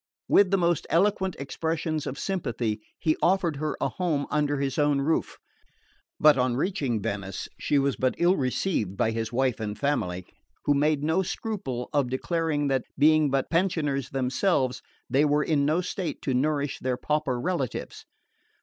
With the most eloquent expressions of sympathy he offered her a home under his own roof; but on reaching Venice she was but ill received by his wife and family, who made no scruple of declaring that, being but pensioners themselves, they were in no state to nourish their pauper relatives.